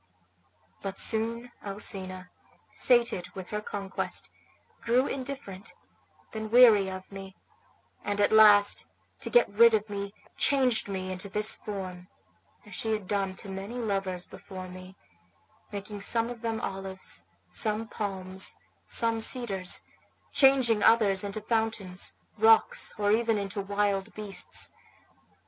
But soon Alcina, sated with her conquest, grew indifferent, then weary of me, and at last, to get rid of me, changed me into this form, as she had done to many lovers before me, making some of them olives, some palms, some cedars, changing others into fountains, rocks, or even into wild beasts.